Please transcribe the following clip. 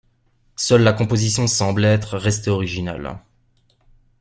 Seule la composition semble être restée originale.